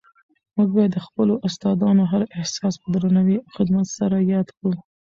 موږ باید د خپلو استادانو هر احسان په درناوي او خدمت سره یاد کړو.